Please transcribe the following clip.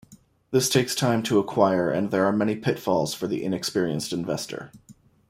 This takes time to acquire and there are many pitfalls for the inexperienced investor.